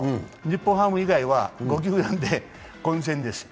日本ハム以外は５球団で混戦です。